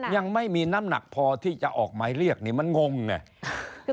ยังไม่มีน้ำหนักพอที่จะออกหมายเรียกนี่มันงงไง